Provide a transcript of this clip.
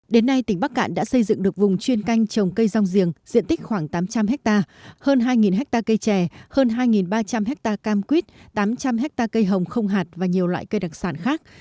đến nay tỉnh bắc cạn đã xây dựng được vùng chuyên canh trồng cây rong giềng diện tích khoảng tám trăm linh hectare hơn hai hectare cây trè hơn hai ba trăm linh hectare cam quýt tám trăm linh hectare cây hồng không hạt và nhiều loại cây đặc sản khác